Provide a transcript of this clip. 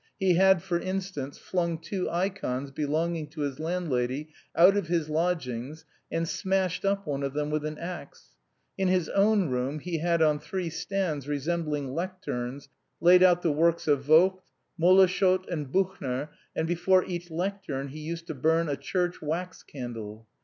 He had, for instance, flung two ikons belonging to his landlady out of his lodgings and smashed up one of them with an axe; in his own room he had, on three stands resembling lecterns, laid out the works of Vogt, Moleschott, and Buchner, and before each lectern he used to burn a church wax candle.